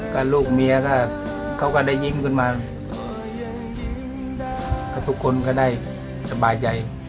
ก็ลูกเมียก็เขาก็ได้ยิ้มขึ้นมาก็ทุกคนก็ได้สบายใจ